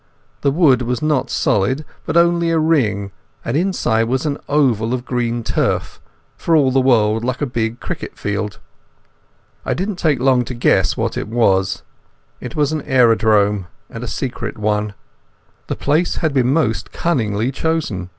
The wood was not solid, but only a ring, and inside was an oval of green turf, for all the world like a big cricket field. I didn't take long to guess what it was. It was an aerodrome, and a secret one. The place had been most cunningly chosen.